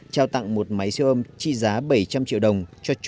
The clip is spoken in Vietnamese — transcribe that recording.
trao tặng một máy siêu ôm trị giá bảy trăm linh đồng